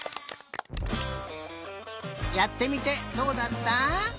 やってみてどうだった？